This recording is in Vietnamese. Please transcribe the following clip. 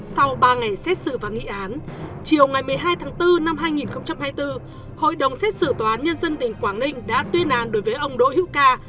sau ba ngày xét xử và nghị án chiều ngày một mươi hai tháng bốn năm hai nghìn hai mươi bốn hội đồng xét xử tòa án nhân dân tỉnh quảng ninh đã tuyên án đối với ông đỗ hữu ca